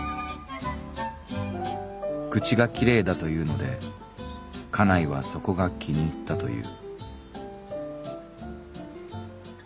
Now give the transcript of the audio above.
「口がきれいだというので家内はそこが気に入ったという」。